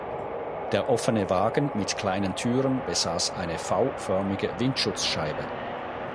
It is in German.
Der offene Wagen mit kleinen Türen besaß eine V-förmige Windschutzscheibe.